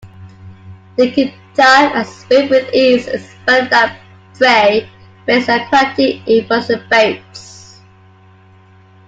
They can dive and swim with ease, expanding their prey base to aquatic invertebrates.